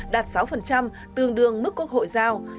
đạt sáu tương đương mức quốc hội giao